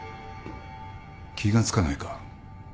気が付かないか？